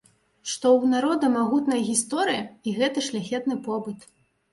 Што ў народа магутная гісторыя і гэты шляхетны побыт.